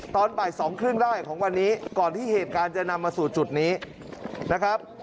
ตอนบ่ายสองครึ่งได้ของวันนี้ก่อนที่เหตุการณ์จะนำมาสู่จุดนี้นะครับ